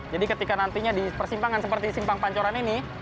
jadi ketika nantinya di persimpangan seperti simpang pancoran ini